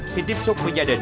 khi tiếp xúc với gia đình